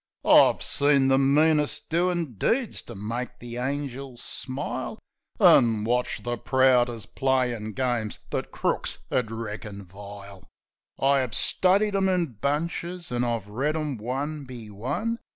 I've seen the meanest doin' deeds to make the angels smile, An' watched the proudest playin' games that crooks 'ud reckon vile. 5 Washing Day I 'ave studied 'em in bunches an' I've read 'em one be one.